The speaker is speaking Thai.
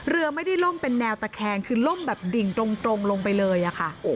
เรือไม่ได้ล่มเป็นแนวตะแคงคือล่มแบบดิ่งตรงลงไปเลยค่ะ